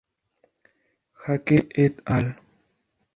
Haque et al.